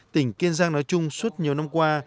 tỉnh kiên giang nói chung suốt nhiều năm qua